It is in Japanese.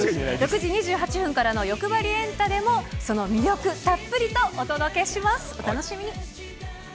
６時２８分からのよくばりエンタでも、その魅力、たっぷりとお届けします、お楽しみに。